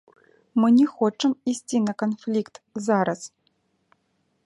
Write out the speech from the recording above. Мы не хочам ісці на канфлікт зараз.